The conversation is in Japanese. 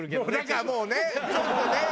だからもうねちょっとね